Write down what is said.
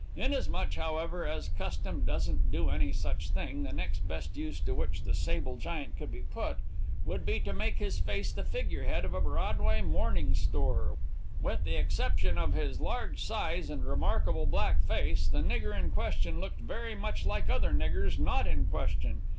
Inasmuch, however, as custom doesn't do any such thing, the next best use to which the sable giant could be put, would be to make his face the figurehead of a Broadway mourning store; with the exception of his large size and remarkable black face, the nigger in question looked very much like other niggers not in question.